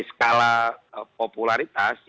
iya skala popularitas apa satu nah itu sekali